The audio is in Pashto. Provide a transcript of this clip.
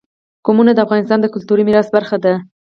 قومونه د افغانستان د کلتوري میراث برخه ده.